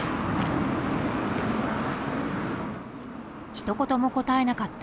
ひと言も答えなかった、